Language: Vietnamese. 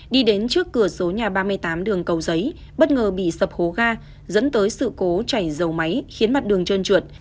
đi đến trước cửa số nhà ba mươi tám đường cầu giấy bất ngờ bị sập hố ga dẫn tới sự cố chảy dầu máy khiến mặt đường trơn trượt